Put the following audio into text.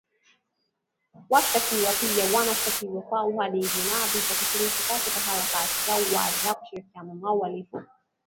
washtakiwa hao pia wanashtakiwa kwa uhalivu wa vita kushiriki katika harakati za uasi na kushirikiana na wahalifu